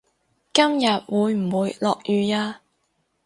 今日會唔會落雨呀